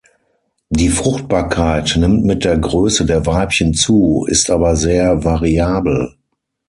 Die Fruchtbarkeit nimmt mit der Größe der Weibchen zu, ist aber sehr variabel.